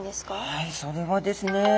はいそれはですね。